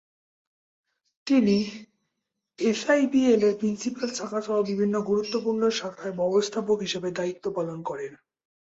তিনি এসআইবিএলের প্রিন্সিপাল শাখাসহ বিভিন্ন গুরুত্বপূর্ণ শাখায় ব্যবস্থাপক হিসেবে দায়িত্ব পালন করেন।